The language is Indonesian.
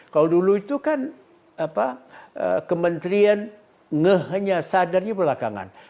kalau dulu itu kan kementerian ngeh hanya sadarnya belakangan